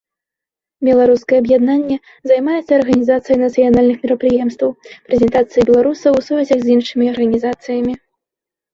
Беларускае аб'яднанне займаецца арганізацыяй нацыянальных мерапрыемстваў, прэзентацыяй беларусаў у сувязях з іншымі арганізацыямі.